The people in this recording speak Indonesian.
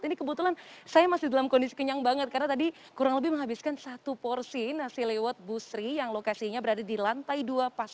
ini kebetulan saya masih dalam kondisi kenyang banget karena tadi kurang lebih menghabiskan satu porsi nasi liwet busri yang lokasinya berada di lantai dua